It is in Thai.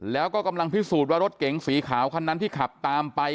แล้วก็กำลังพิสูจน์ว่ารถเก๋งสีขาวคันนั้นที่ขับตามไป